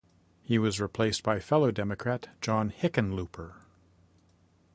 He was replaced by fellow Democrat John Hickenlooper.